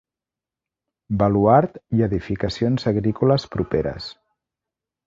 Baluard i edificacions agrícoles properes.